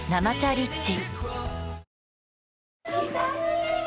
リッチ